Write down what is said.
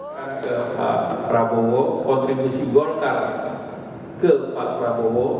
saya ke pak prabowo kontribusi golkar ke pak prabowo